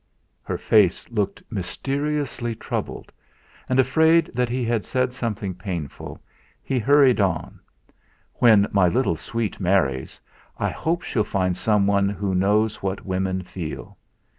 Her face looked mysteriously troubled, and, afraid that he had said something painful, he hurried on: "When my little sweet marries, I hope she'll find someone who knows what women feel.